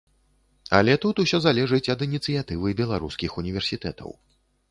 Але тут усё залежыць ад ініцыятывы беларускіх універсітэтаў.